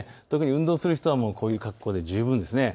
特に運動する人はこういう格好で十分です。